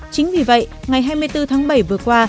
chính vì vậy ngày hai mươi bốn tháng bảy vừa qua